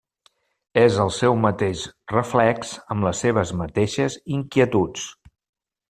És el seu mateix reflex amb les seves mateixes inquietuds.